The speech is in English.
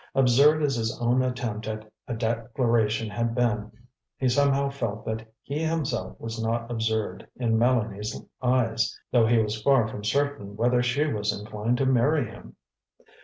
Absurd as his own attempt at a declaration had been, he somehow felt that he himself was not absurd in Mélanie's eyes, though he was far from certain whether she was inclined to marry him.